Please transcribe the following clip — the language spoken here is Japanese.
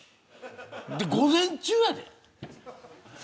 午前中やで。